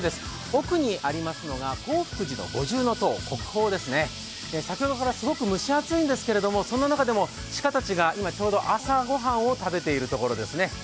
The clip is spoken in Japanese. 奥にありますのは興福寺の五重塔、国宝ですね、先ほどからすごく蒸し暑いんですが、その中でも鹿たちが朝御飯を食べているところです。